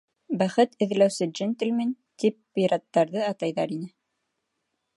«Бәхет эҙләүсе джентльмен» тип пираттарҙы атайҙар ине.